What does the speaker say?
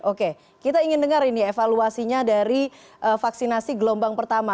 oke kita ingin dengar ini evaluasinya dari vaksinasi gelombang pertama